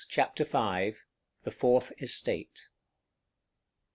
Chapter 1.6.V. The Fourth Estate.